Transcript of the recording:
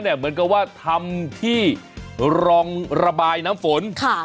เหมือนกับว่าทำที่รองระบายน้ำฝน